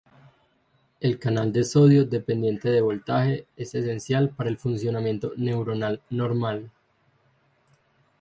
El canal de sodio dependiente de voltaje es esencial para el funcionamiento neuronal normal.